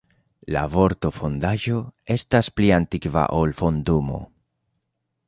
La vorto "fondaĵo" estas pli antikva ol "fondumo".